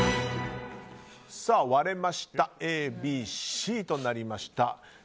割れましたＡ、Ｂ、Ｃとなりました。